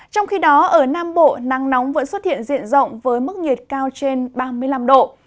trong khi đó ở nam bộ nắng nóng vẫn xuất hiện diện rộng với mức nhiệt cao trên ba mươi năm độ